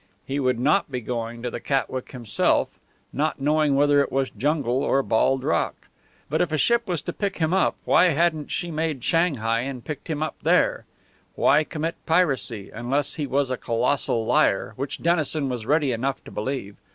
He would not be going to the Catwick himself, not knowing whether it was jungle or bald rock. But if a ship was to pick him up, why hadn't she made Shanghai and picked him up there? Why commit piracy unless he was a colossal liar, which Dennison was ready enough to believe.